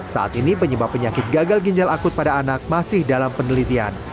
saat ini penyebab penyakit gagal ginjal akut pada anak masih dalam penelitian